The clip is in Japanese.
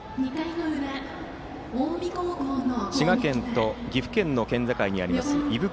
滋賀県と岐阜県の県境にあります